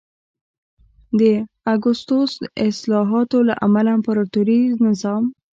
د اګوستوس اصلاحاتو له امله امپراتوري نظام